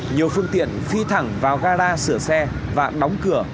nhiều phương tiện phi thẳng vào gala sửa xe và đóng cửa